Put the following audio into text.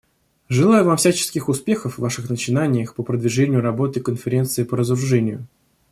Желаю вам всяческих успехов в ваших начинаниях по продвижению работы Конференции по разоружению.